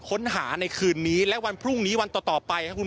ค้นหาในคืนนี้และวันพรุ่งนี้วันต่อไปครับคุณ